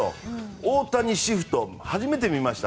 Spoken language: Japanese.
大谷シフト、初めて見ました。